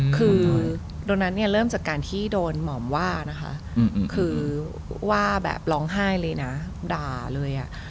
คือโดนัทเนี่ยเริ่มจากการที่โดนหม่อมว่านะคะคือว่าแบบร้องไห้เลยนะด่าเลยอ่ะ